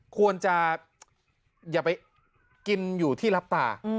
ควรจะอย่าไปกินอยู่ที่รับตา